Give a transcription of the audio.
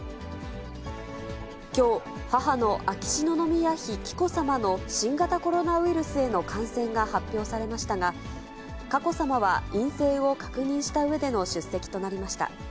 きょう、母の秋篠宮妃紀子さまの新型コロナウイルスへの感染が発表されましたが、佳子さまは陰性を確認したうえでの出席となりました。